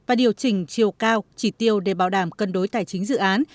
và điều chỉnh chiều cao chỉ tiêu để bảo đảm cân đối tài chính dự án